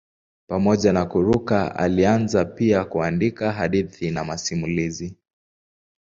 Pamoja na kuruka alianza pia kuandika hadithi na masimulizi.